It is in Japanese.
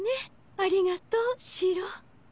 ありがとうシロー。